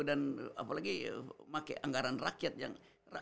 dan apalagi pakai anggaran rakyat yang